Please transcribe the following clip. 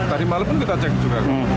tadi malam pun kita cek juga